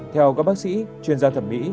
theo các bác sĩ chuyên gia thẩm mỹ